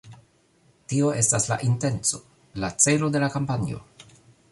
Tio estas la intenco, la celo de la kampanjo.